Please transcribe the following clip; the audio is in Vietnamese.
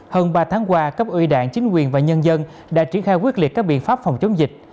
hơn ba tháng qua các ưu đạn chính quyền và nhân dân đã triển khai quyết liệt các biện pháp phòng chống dịch